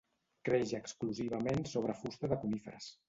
Creix exclusivament sobre fusta de coníferes.